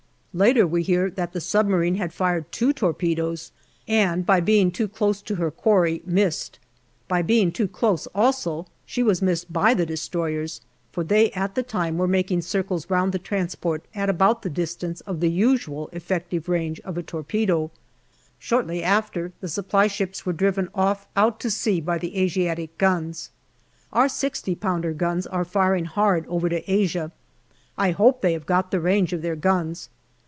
Later, we hear that the submarine had fired two torpedoes, and by being too close to her quarry, missed. By being too close, also, she was missed by the destroyers, for they. 134 GALLIPOLI DIARY at the time, were making circles around the transport at about the distance of the usual effective range of a tor pedo. Shortly after, the supply ships were driven off out to sea by the Asiatic guns. Our 6o pounder guns are firing hard over to Asia. I hope they have got the range of their guns.